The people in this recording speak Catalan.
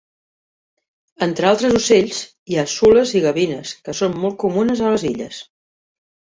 Entre altres ocells, hi ha sules i gavines, que són molt comunes a les illes.